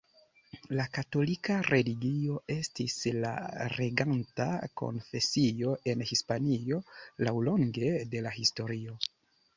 La katolika religio estis la reganta konfesio en Hispanio laŭlonge de la historio.